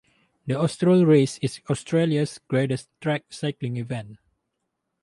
The Austral race is Australia's greatest track cycling event.